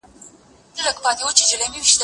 زه اجازه لرم چي ليک ولولم!.